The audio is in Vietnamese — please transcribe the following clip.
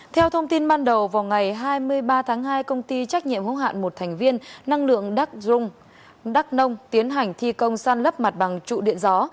theo thông tin ban đầu vào ngày hai mươi ba tháng hai công ty trách nhiệm hỗn hạn một thành viên năng lượng đắk nông tiến hành thi công săn lấp mặt bằng trụ điện gió